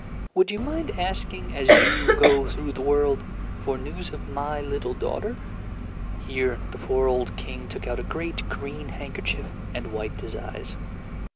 Would you mind asking, as you go through the world, for news of my little daughter?" (Here the poor old King took out a great green handkerchief and wiped his eyes.)